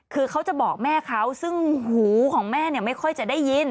คือเขาจะบอกแม่เขาซึ่งหูของแม่เนี่ยไม่ค่อยจะได้ยิน